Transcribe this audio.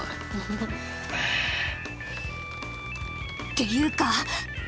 っていうか